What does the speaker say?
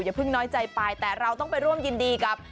อเพิ่งน้อยใจไปแต่เราต้องไปร่วมยินดีกับ